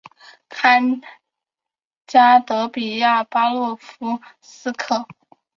堪察加彼得巴夫洛夫斯克。